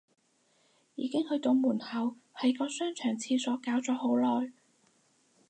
已經去到門口，喺個商場廁所搞咗好耐